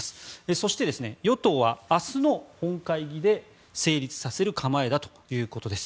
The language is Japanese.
そして、与党は明日の本会議で成立させる構えだということです。